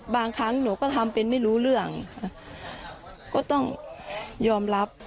ครั้งหนูก็ทำเป็นไม่รู้เรื่องก็ต้องยอมรับ